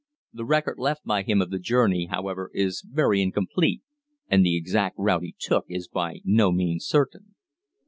The record left by him of the journey, however, is very incomplete, and the exact route he took is by no means certain.